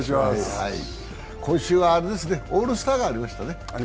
今週はオールスターがありましたね。